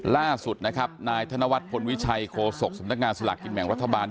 ล่าสุดนายธนวัทธ์ผลวิชัยโคศกสำนักงานสลักษณ์กินแหม่งรัฐบาล